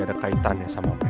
ada kaitannya sama mel